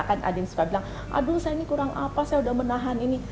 kan adin suka bilang aduh saya ini kurang apa saya udah menahan ini